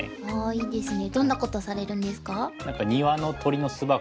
いいですね。